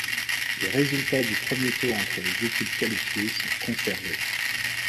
Les résultats du premier tour entre les équipes qualifiées sont conservées.